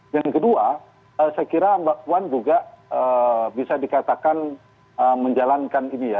yang kedua saya kira mbak puan juga bisa dikatakan menjalankan ini ya